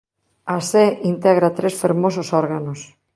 A Sé integra tres fermosos órganos.